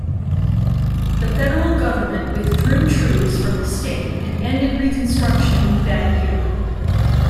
The federal government withdrew troops from the state and ended Reconstruction that year.